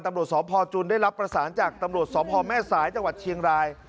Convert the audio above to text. ตำรวจสพจุนได้รับประสานจากตำรวจสพแม่สายจังหวัดเชียงราย